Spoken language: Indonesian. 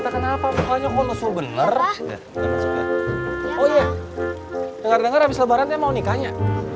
kenapa mukanya kalau bener bener dengar dengar habis lebaran mau nikahnya